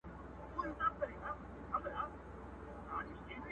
د پاچا په انتخاب کي سر ګردان وه!